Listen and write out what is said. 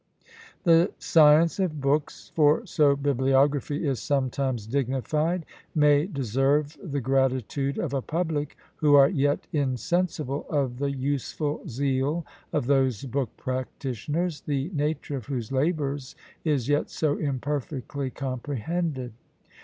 The science of books, for so bibliography is sometimes dignified, may deserve the gratitude of a public, who are yet insensible of the useful zeal of those book practitioners, the nature of whose labours is yet so imperfectly comprehended.